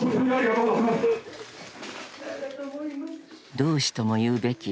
［同志ともいうべき弟